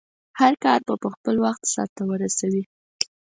هرکار په خپل وخټ سرته ورسوی